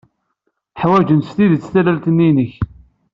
Ḥwajent s tidet tallalt-nnek.